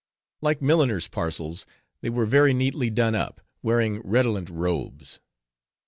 Like milliners' parcels, they were very neatly done up; wearing redolent robes.